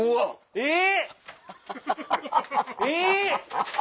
えっ！